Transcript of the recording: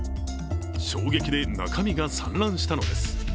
衝撃で中身が散乱したのです。